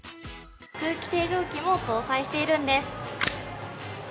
空気清浄機も搭載しているんです。